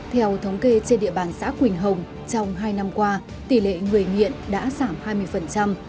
theo thống kê trên địa bàn xã quỳnh hồng trong hai năm qua tỷ lệ người nghiện đã giảm hai mươi